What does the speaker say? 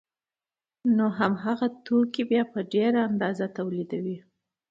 نو هماغه توکي بیا په ډېره اندازه تولیدوي